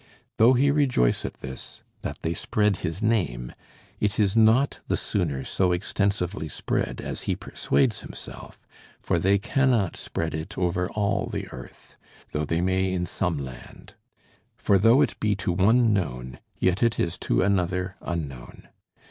Though he rejoice at this, that they spread his name, it is not the sooner so extensively spread as he persuades himself; for they cannot spread it over all the earth, though they may in some land; for though it be to one known, yet it is to another unknown.